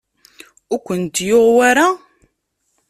Ur kent-yuɣ wara?